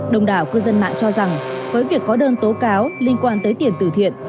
đồng đảo cư dân mạng cho rằng với việc có đơn tố cáo liên quan tới tiền tử thiện